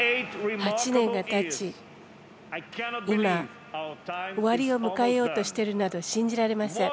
８年がたち、今、終わりを迎えようとしているなど信じられません。